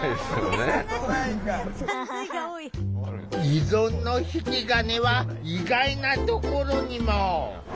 依存の引き金は意外なところにも。